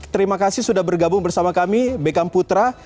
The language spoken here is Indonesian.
terima kasih sudah bergabung bersama kami bekam putra